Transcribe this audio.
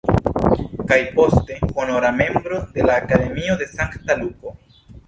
Kaj, poste, honora membro de la Akademio de Sankta Luko.